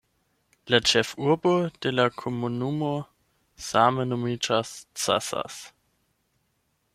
La ĉefurbo de la komunumo same nomiĝas "Casas".